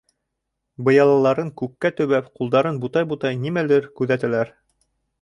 Быялаларын күккә төбәп, ҡулдарын бутай-бутай нимәлер күҙәтәләр.